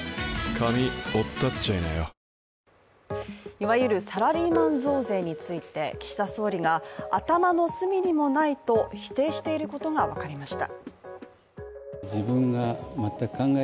いわゆるサラリーマン増税について岸田総理が、頭の隅にもないと否定していることが分かりました。